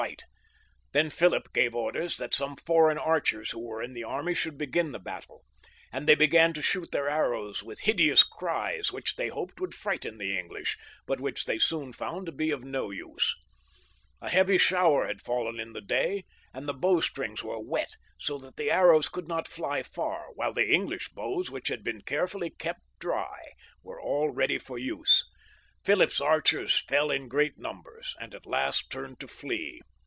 161 , fight. Then Philip gave orders that some foreign archers who were in the army should begin the battle ; and they began to shoot their arrows with hideous cries, which they hoped would frighten the English, but which they soon • found to be of no use. A heavy shower had fallen in the day, and their bowstrings were wet, so that their arrows could not fly far, while the English bows, which had been carefully kept dry, were aU ready for use. Philip's archers fell in great numbers, and at last turned to flee.